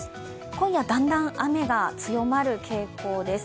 今夜だんだん、雨が強まる傾向です。